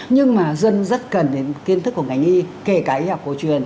nhưng mà dân rất cần đến kiến thức của ngành y kể cả y học cổ truyền